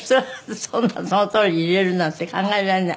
「そのとおりに入れるなんて考えられない」